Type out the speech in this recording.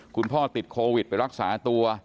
คุณพ่อติดโควิดไปรักษาตัว